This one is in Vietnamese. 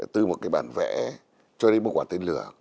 từ một cái bản vẽ cho đến một quả tên lửa